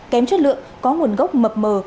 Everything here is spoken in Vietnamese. kém chất lượng có nguồn gốc mập mờ